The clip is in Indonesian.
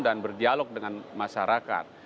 dan berdialog dengan masyarakat